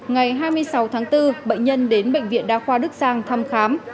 ngày hai mươi sáu tháng bốn bệnh nhân đến bệnh viện đa khoa đức sang thăm khám